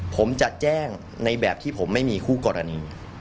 ผมจะแจ้งในแบบที่ผมไม่มีคู่กรณี